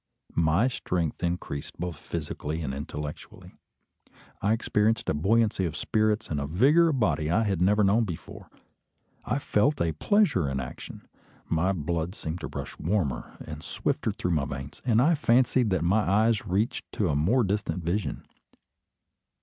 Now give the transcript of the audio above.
My strength increased, both physically and intellectually. I experienced a buoyancy of spirits and a vigour of body I had never known before. I felt a pleasure in action. My blood seemed to rush warmer and swifter through my veins, and I fancied that my eyes reached to a more distant vision.